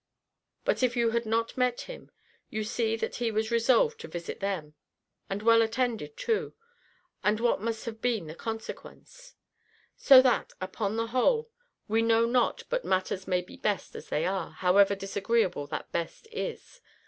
But if you had not met him, you see that he was resolved to visit them, and well attended too: and what must have been the consequence? So that, upon the whole, we know not but matters may be best as they are, however disagreeable that best is.